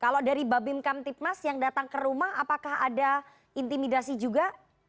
kalau dari babim kamtipmas yang datang ke rumah apakah ada intimidasi juga